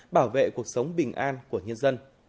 bảo vệ cuộc sống bình an của nhân dân